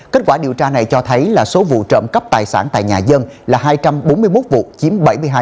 kết quả điều tra này cho thấy là số vụ trộm cắp tài sản tại nhà dân là hai trăm bốn mươi một vụ chiếm bảy mươi hai